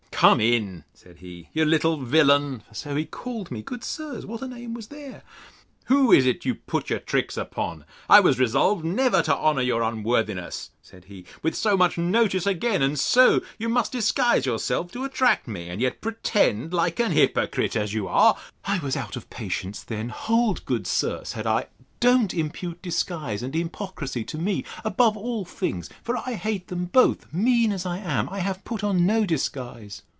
Come in, said he, you little villain!—for so he called me. (Good sirs! what a name was there!)—who is it you put your tricks upon? I was resolved never to honour your unworthiness, said he, with so much notice again; and so you must disguise yourself to attract me, and yet pretend, like an hypocrite as you are—— I was out of patience then: Hold, good sir, said I; don't impute disguise and hypocrisy to me, above all things; for I hate them both, mean as I am. I have put on no disguise.